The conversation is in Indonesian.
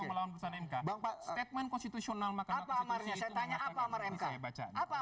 melawan perusahaan mbak statement konstitusional maka amarnya saya tanya apa amaran saya baca apa